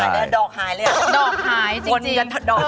มีคนเดียว